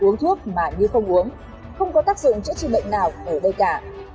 uống thuốc mà như không uống không có tác dụng chữa trị bệnh nào ở đây cả